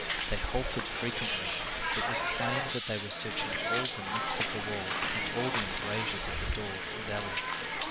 They halted frequently; it was plain that they were searching all the nooks of the walls and all the embrasures of the doors and alleys.